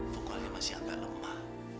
vokalnya masih agak lemah